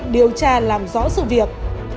điều tra làm rõ sự việc